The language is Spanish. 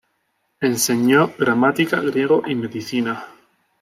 Enseñó gramática, griego, y medicina.